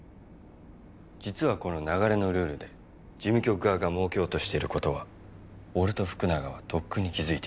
実はこの流れのルールで事務局側がもうけようとしてることは俺と福永はとっくに気付いていた。